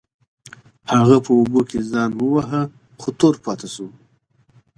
هغه په اوبو کې ځان وواهه خو تور پاتې شو.